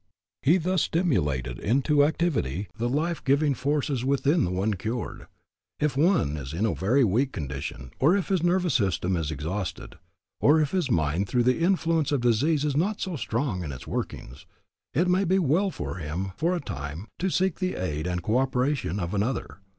He thus stimulated into activity the life giving forces within the one cured. If one is in a very weak condition, or if his nervous system is exhausted, or if his mind through the influence of the disease is not so strong in its workings, it may be well for him for a time to seek the aid and co operation of another.